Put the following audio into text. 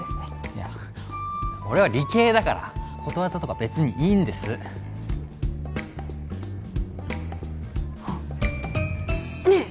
いや俺は理系だからことわざとか別にいいんですあっねえ